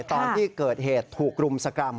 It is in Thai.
ตอนที่เกิดเหตุถูกรุมสกรรม